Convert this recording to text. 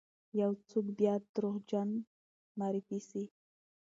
یو څوک بیا دروغجن معرفي سی،